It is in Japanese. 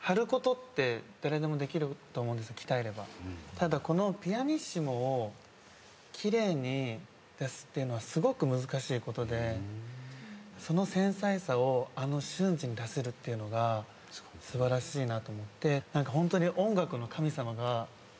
ただこのピアニッシモを奇麗に出すっていうのはすごく難しいことでその繊細さをあの瞬時に出せるっていうのが素晴らしいなと思ってホントに。